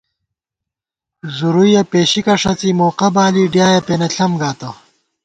زُرُیَہ پېشِکہ ݭڅی موقہ بالی ڈیایَہ پېنہ ݪم گاتہ